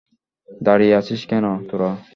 দাঁড়িয়ে আছিস কেন তোরা!